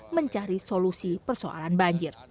mencari solusi persoalan banjir